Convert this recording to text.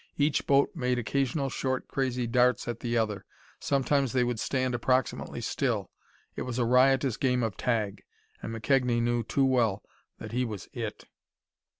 Each boat made occasional short, crazy darts at the other; sometimes they would stand approximately still. It was a riotous game of tag, and McKegnie knew too well that he was "it."